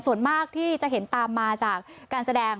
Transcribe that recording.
ส่วนมากที่จะเห็นตามมาจากการแสดง